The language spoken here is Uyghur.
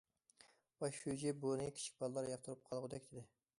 باش شۇجى:‹‹ بۇنى كىچىك بالىلار ياقتۇرۇپ قالغۇدەك›› دېدى.